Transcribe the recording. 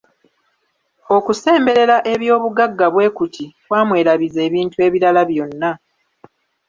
Okusemberera eby'obugagga bwe kuti kwamwerabiza ebintu ebirala byonna.